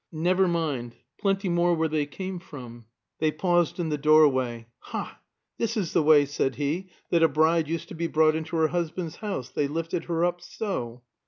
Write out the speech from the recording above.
"Never mind. Plenty more where they came from." They paused in the doorway. "Ha! This is the way," said he, "that a bride used to be brought into her husband's house. They lifted her up so!"